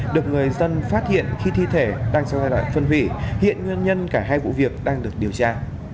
được người dân phát hiện khi thi thể đang trong giai đoạn phân hủy hiện nguyên nhân cả hai vụ việc đang được điều tra